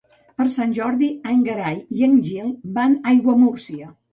Per Sant Jordi en Gerai i en Gil van a Aiguamúrcia.